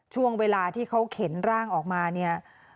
ช่วงเวลาที่เขาเข็นร่างออกมาเนี่ย